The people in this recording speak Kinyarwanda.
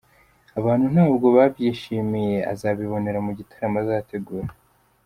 Abantu ntabwo babyishimiye, azabibonera mu gitaramo azategura.